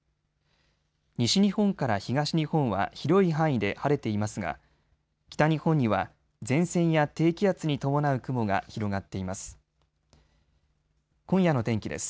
西日本から東日本は広い範囲で晴れていますが北日本には前線や低気圧に伴う雲が広がっています。